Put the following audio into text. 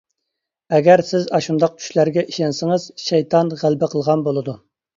ئەگەر سىز ئاشۇنداق چۈشلەرگە ئىشەنسىڭىز، شەيتان غەلىبە قىلغان بولىدۇ.